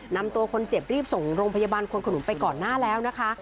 นำตัวคนเจ็บรีบส่งโรงพยาบาลควนขนุนไปก่อนหน้าแล้วนะคะ